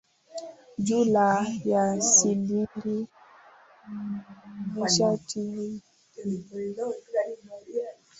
Jumla ya shilingi milioni ishirini na moja.